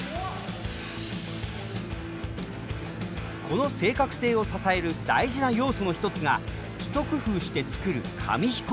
この正確性を支える大事な要素の一つが一工夫して作る紙飛行機。